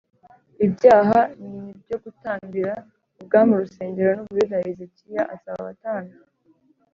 ibyaha n byo gutambira ubwami urusengero n u Buyuda Hezekiya asaba abatambyi